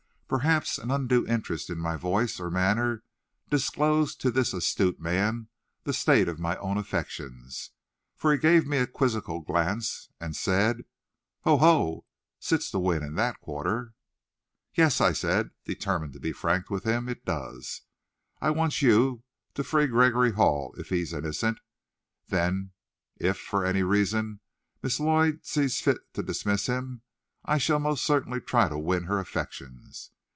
Perhaps an undue interest in my voice or manner disclosed to this astute man the state of my own affections, for he gave me a quizzical glance, and said, "O ho! sits the wind in that quarter?" "Yes," I said, determined to be frank with him. "It does. I want you, to free Gregory Hall, if he's innocent. Then if, for any reason, Miss Lloyd sees fit to dismiss him, I shall most certainly try to win her affections.